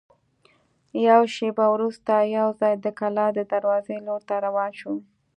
یوه شېبه وروسته یوځای د کلا د دروازې لور ته روان شوو.